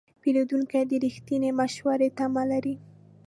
پیرودونکی د رښتینې مشورې تمه لري.